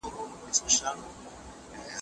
دا واقعه زموږ لپاره د عبرت یو ډېر لوی درس دی.